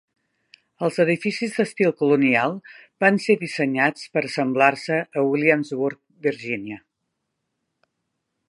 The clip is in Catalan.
Els edificis d'estil colonial van ser dissenyats per assemblar-se a Williamsburg, Virginia.